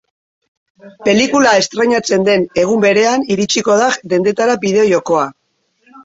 Pelikula estrainatzen den egun berean iritsiko da dendetara bideo-jokoa.